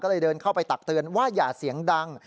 ก็เลยเดินเข้าไปตักเตือนว่าอย่าเสียงดัง